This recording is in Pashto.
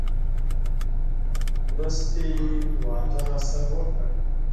مرستې وعده راسره وکړه.